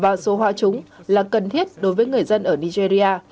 và dùng số họa chúng là cần thiết đối với người dân ở nigeria